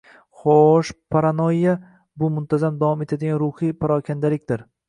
Xo‘-o‘sh, paranoyya — bu muntazam davom etadigan ruhiy parokandaliqdir.